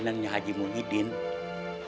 kelakuannya haji muhyiddin sama keluarga kita